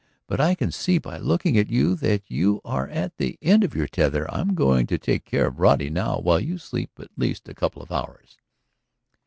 But I can see by looking at you that you are at the end of your tether. I'm going to take care of Roddy now while you sleep at least a couple of hours."